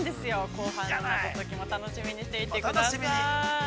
後半の謎解きも楽しみにしていってください。